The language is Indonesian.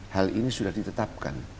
hal ini sudah ditetapkan